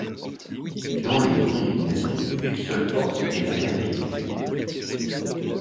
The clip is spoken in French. Dans les combinaisons, une seule porte est matérialisée.